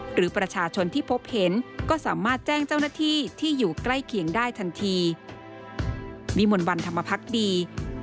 หรือประชาชนที่พบเห็นก็สามารถแจ้งเจ้าหน้าที่ที่อยู่ใกล้เคียงได้ทันที